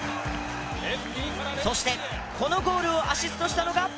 そしてこのゴールをアシストしたのが。